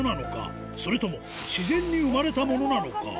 それとも自然に生まれたものなのか？